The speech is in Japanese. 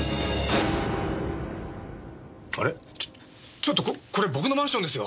ちょっとこれ僕のマンションですよ！